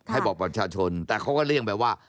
ให้บอกประชาชนแต่เขาก็เลี่ยงไปว่า